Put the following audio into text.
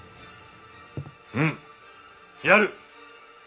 うんやる。